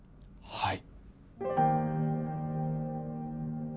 はい。